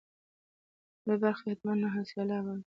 لومړۍ برخه یې حتما نهه سېلابه وي.